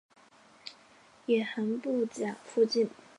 野寒布岬附近。